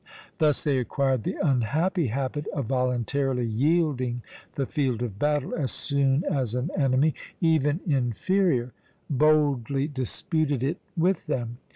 Thus they acquired the unhappy habit of voluntarily yielding the field of battle as soon as an enemy, even inferior, boldly disputed it with them.